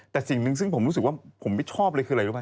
แต่สิ่งหนึ่งซึ่งผมรู้สึกว่าผมไม่ชอบเลยคืออะไรรู้ป่